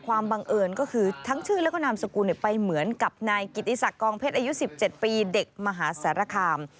บังเอิญก็คือทั้งชื่อแล้วก็นามสกุลไปเหมือนกับนายกิติศักดิกองเพชรอายุ๑๗ปีเด็กมหาสารคาม